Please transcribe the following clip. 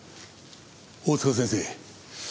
大塚先生